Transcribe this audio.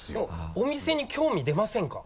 お店に興味出ませんか？